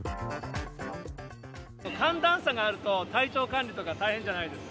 寒暖差があると、体調管理とか、大変じゃないですか？